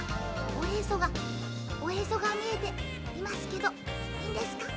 おへそがおへそがみえていますけどいいんですか？